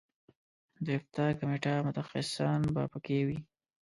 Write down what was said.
د افتا کمیټه متخصصان به په کې وي.